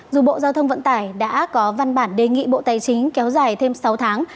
dù bộ giao thông vận tải đã có văn bản đề nghị bộ tài chính kéo dài thêm sáu tháng